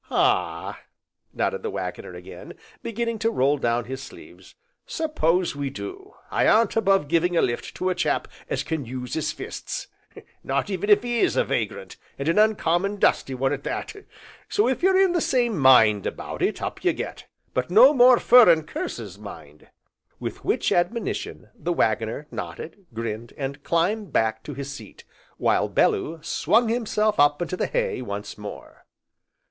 "Ah!" nodded the Waggoner again, beginning to roll down his sleeves, "suppose we do; I aren't above giving a lift to a chap as can use 'is fists, not even if 'e is a vagrant, and a uncommon dusty one at that; so, if you're in the same mind about it, up you get, but no more furrin curses, mind!" With which admonition, the Waggoner nodded, grinned, and climbed back to his seat, while Bellew swung himself up into the hay once more.